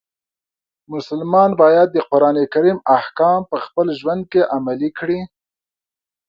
مسلمان باید د قرآن احکام په خپل ژوند کې عملی کړي.